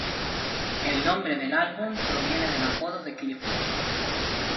El nombre del álbum, proviene del apodo de Clifford.